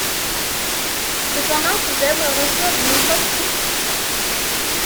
Cependant ses œuvres reçurent de nombreuses critiques.